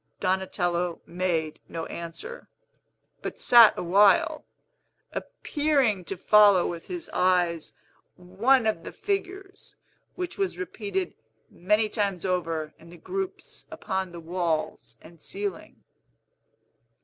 Donatello made no answer, but sat awhile, appearing to follow with his eyes one of the figures, which was repeated many times over in the groups upon the walls and ceiling.